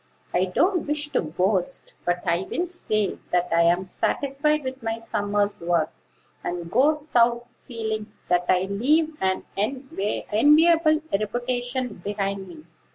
"I don't wish to boast; but I will say that I am satisfied with my summer's work, and go South feeling that I leave an enviable reputation behind me."